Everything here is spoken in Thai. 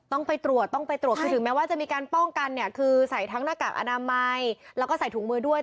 ต้องไปตรวจถึงแม้ว่าจะมีการป้องกันคือใส่ทั้งหน้ากากอนามัยแล้วก็ใส่ถุงมือด้วย